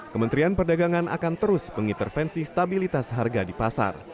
kementerian perdagangan akan terus mengintervensi stabilitas harga di pasar